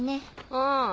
ああ。